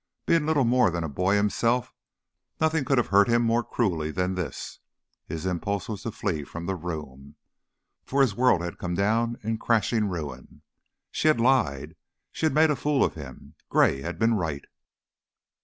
Being little more than a boy himself, nothing could have hurt him more cruelly than this; his impulse was to flee the room, for his world had come down in crashing ruin. She had lied! She had made a fool of him. Gray had been right.